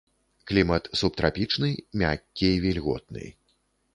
Клімат субтрапічны, мяккі і вільготны.